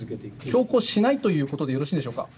強行しないということでよろしいんでしょうか？